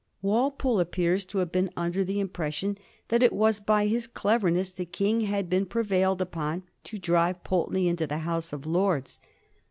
Walpole appears to have been under the impres sion that it was by his cleverness the King had been pre vailed upon to drive Pulteney into the House of Lords.